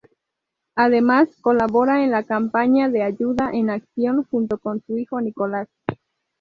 Además, colabora en la campaña de "Ayuda en Acción" junto con su hijo Nicolás.